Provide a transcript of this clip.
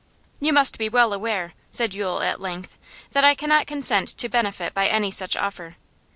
'You must be well aware,' said Yule at length, 'that I cannot consent to benefit by any such offer.